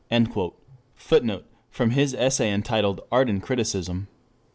[Footnote: From his essay entitled Art and Criticism.